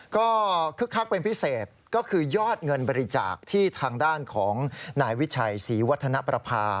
ก็คึกคักเป็นพิเศษก็คือยอดเงินบริจาคที่ทางด้านของนายวิชัยศรีวัฒนประภา